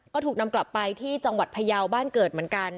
ก็ถูกนำกลับไปที่จังหวัดพยาวบ้านเกิดเหมือนกัน